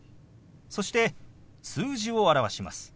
そして数字を表します。